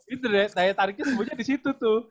itu daya tariknya semuanya di situ tuh